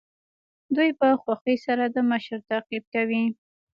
دوی په خوښۍ سره د مشر تعقیب کوي.